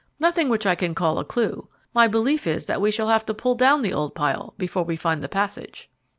"Nothing which I can call a clue. My belief is that we shall have to pull down the old pile before we find the passage."